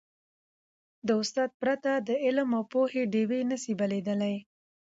د استاد پرته، د علم او پوهې ډېوي نه سي بلېدلی.